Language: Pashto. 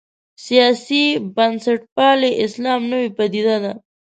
سیاسي بنسټپالی اسلام نوې پدیده ده.